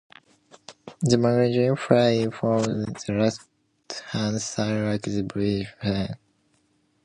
The magazine fed in from the left hand side like the British Sten.